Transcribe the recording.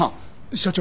社長。